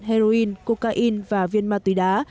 heroin cocaine và viên ma túy đá